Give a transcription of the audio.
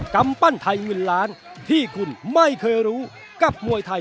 ขอบคุณครับ